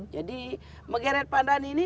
jadi megeret pandan ini